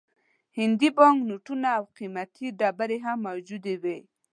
هندي بانک نوټونه او قیمتي ډبرې هم موجودې وې.